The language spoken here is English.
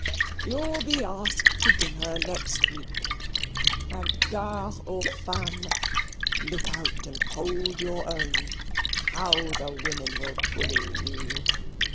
Ho! ho! You'll be asked to dinner next week. And gare aux femmes, look out and hold your own! How the women will bully you!"